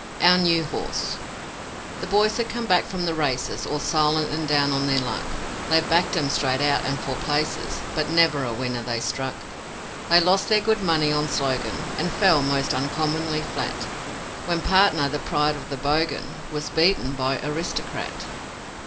Our New Horse The boys had come back from the races All silent and down on their luck; They'd backed 'em, straight out and for places, But never a winner they struck. They lost their good money on Slogan, And fell, most uncommonly flat, When Partner, the pride of the Bogan, Was beaten by Aristocrat.